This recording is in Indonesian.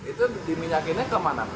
itu diminyakinnya kemana